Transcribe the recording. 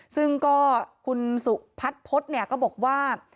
ซึ่งก็คุณสุพัฒพฤษก็บอกว่า